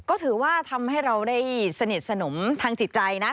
ก็ถือว่าทำให้เราได้สนิทสนมทางจิตใจนะ